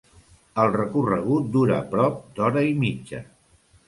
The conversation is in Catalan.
El recorregut dura prop d'hora i mitja.